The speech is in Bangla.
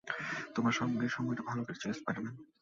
তোমার সাথে সময়টা ভালোই কেটেছিল, স্পাইডার-ম্যান।